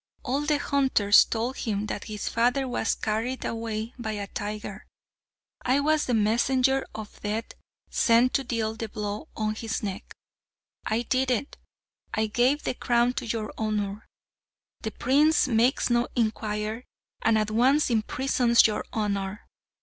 All the hunters told him that his father was carried away by a tiger. I was the messenger of death sent to deal the blow on his neck. I did it, and gave the crown to your honour. The prince makes no inquiry, and at once imprisons your honour.